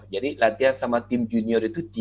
jadi latihan sama tim junior itu